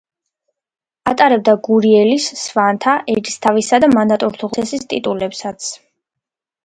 ატარებდა გურიელის, სვანთა ერისთავისა და მანდატურთუხუცესის ტიტულებსაც.